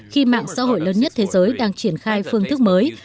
khi mạng xã hội lớn nhất thế giới đang triển khai phương thức mới